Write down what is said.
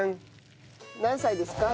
何歳ですか？